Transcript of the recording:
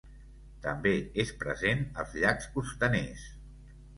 També és present als llacs costaners.